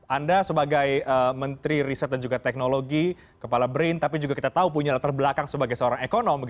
anda sebagai menteri riset dan juga teknologi kepala brin tapi juga kita tahu punya latar belakang sebagai seorang ekonom